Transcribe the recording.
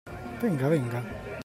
Venga, venga!